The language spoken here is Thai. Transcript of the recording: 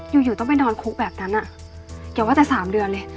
อยู่ต้องไปนอนคุกแบบนั้นอย่าว่าแต่๓เดือนเลย